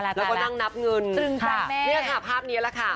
แล้วก็นั่งนับเงินนี่ค่ะภาพนี้แหละค่ะ